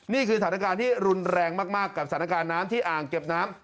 นี่คือสถานการณ์ที่รุนแรงมากกับสถานการณ์น้ำที่อ่างเก็บน้ำ